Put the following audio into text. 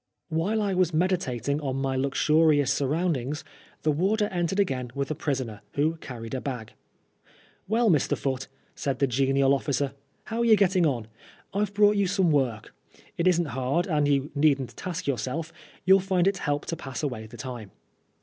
While I was meditating on my luxurious surround ings, the warder entered again with a prisoner, who carried a bag. "Well, Mr. Foote," said the genial officer, " how are you getting on ? I've brought you some work. It isn't hard, and you needn't task your self ; you'll find it help to pass away the time."